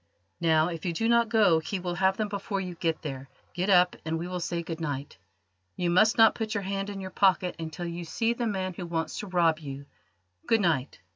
Now, if you do not go he will have them before you get there. Get up and we will say good night. You must not put your hand in your pocket until you see the man who wants to rob you. Good night.